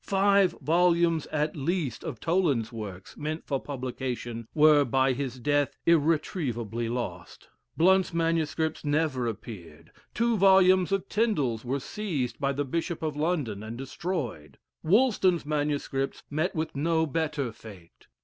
Five volumes, at least, of Toland's works, meant for publication, were, by his death, irretrievably lost. Blount's MSS. never appeared. Two volumes of Tindall's were seized by the Bishop of London, and destroyed. Woolston's MSS. met with no better fate.